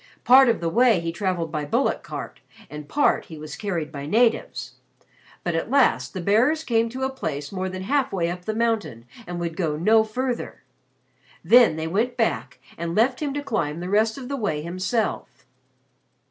Part of the way he traveled by bullock cart, and part, he was carried by natives. But at last the bearers came to a place more than halfway up the mountain, and would go no further. Then they went back and left him to climb the rest of the way himself.